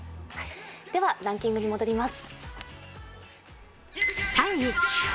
ではランキングに戻ります。